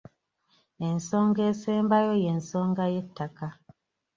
Ensonga esembayo y'ensonga y'ettaka.